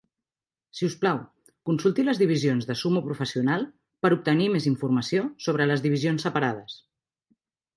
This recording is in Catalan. Si us plau, consulti les divisions de sumo professional per obtenir més informació sobre les divisions separades.